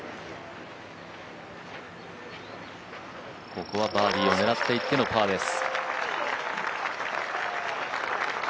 ここはバーディーを狙っていってのパーです。